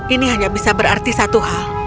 ini hanya bisa berarti satu hal